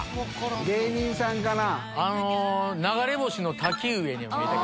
芸人さんかな。